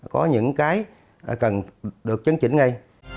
có những cái cần được chấn chỉnh ngay